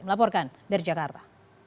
melaporkan dari jakarta